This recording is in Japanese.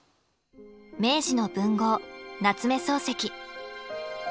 明治の文豪夏目漱石。